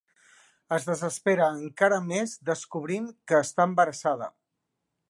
Es desespera encara més descobrint que està embarassada.